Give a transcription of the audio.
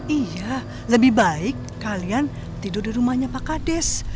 iya lebih baik kalian tidur di rumahnya pak kades